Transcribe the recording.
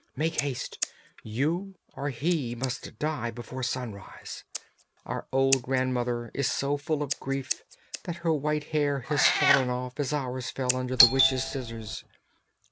Make haste! you or he must die before sunrise! Our old grandmother is so full of grief that her white hair has fallen off as ours fell under the witch's scissors.